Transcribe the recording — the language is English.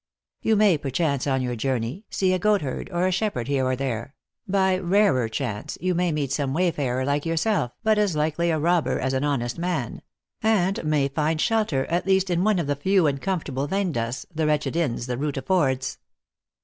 You may, perchance, on your journey, see a goatherd or a shep herd here or there ; by rarer chance may meet some wayfarer like yourself, but as likely a robber as an honest man ; and may find shelter, at least, in one of the few and comfortless vcndas, the wretched inns the route affords.